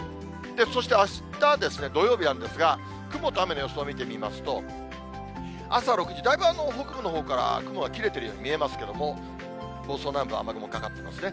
そしてあしたですね、土曜日なんですが、雲と雨の予想を見てみますと、朝６時、だいぶ北部のほうから雲が切れてるように見えますけれども、房総南部、雨雲かかってますね。